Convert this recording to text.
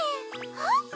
あっ！